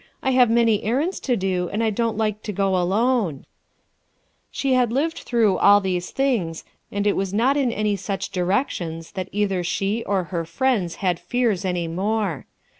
I have many errands to do, and I don't like to go alone/' 2 2 RUTH ERSKINE'S SON She had lived through all these things, and it was not in any such directions that cither she or her friends had fears any more.